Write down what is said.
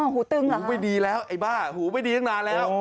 หูปอดีแล้วไอ้บ้าเหรอหูปอดีตั้งนานแล้ว